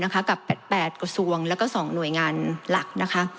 กับ๘กระทรวงแล้วก็๒หน่วยงานหลักนะคะ